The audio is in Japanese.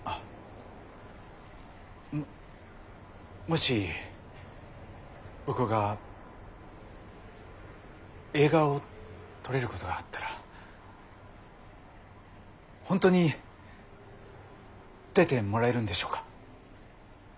もし僕が映画を撮れることがあったら本当に出てもらえるんでしょうか？